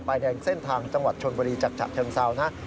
ไปในเส้นทางจังหวัดชนบรีจักรจักรเชิงเซานะ